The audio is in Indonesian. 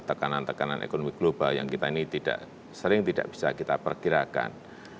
tekanan tekanan ekonomi global yang kita ini tidak sering tidak bisa kita perkirakan